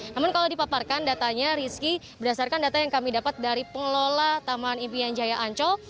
namun kalau dipaparkan datanya rizky berdasarkan data yang kami dapat dari pengelola taman impian jaya ancol